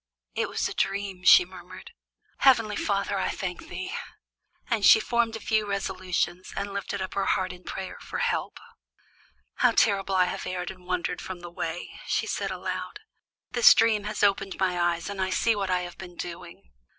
"It was a dream," she murmured. "Heavenly Father, I thank thee!" And she formed a few resolutions and lifted up her heart in prayer for help. "How terribly I have erred and wandered from the way," she said aloud. "This dream has opened my eyes, and I see what I have been doing.